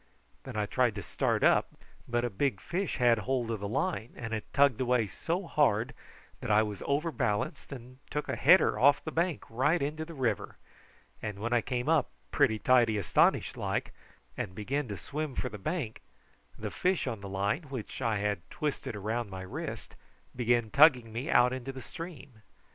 Then I tried to start up, but a big fish had hold of the line, and it tugged away so hard that I was overbalanced, and took a header off the bank right into the river; and when I came up, pretty tidy astonished like, and began to swim for the bank, the fish on the line, which I had twisted round my wrist, began tugging me out into the stream.